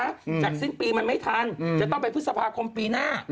จากสิ้นปีมันไม่ทันอืมจะต้องไปพฤษภาคมปีหน้า